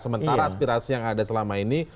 sementara aspirasi yang ada selama ini